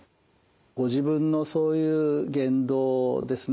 ご自分のそういう言動ですね